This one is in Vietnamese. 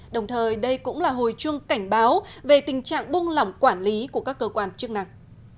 đồng thời đây cũng là hồi chuông cảnh báo về tình trạng buông lỏng quản lý của các cơ quan chức năng